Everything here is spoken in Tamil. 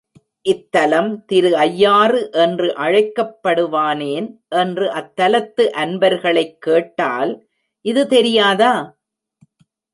இத்தலம் திரு ஐயாறு என்று அழைக்கப் படுவானேன் என்று அத்தலத்து அன்பர்களைக் கேட்டால், இது தெரியாதா?